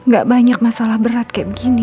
gak banyak masalah berat kayak begini